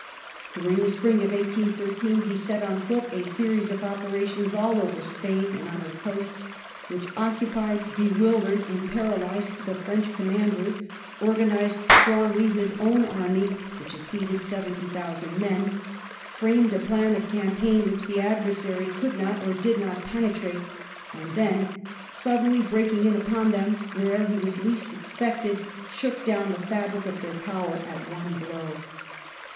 During the spring of 1813 he set on foot a series of operations all over Spain and on her coasts which occupied, bewildered, and paralysed the French com manders, organised strongly his own army, which exceeded seventy thousand men, framed a plan of campaign which the adversary could not or did not penetrate, and then, suddenly breaking in upon them where he was least expected, shook down the fabric of their power at one blow.